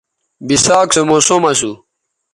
بِساک سو موسم اسو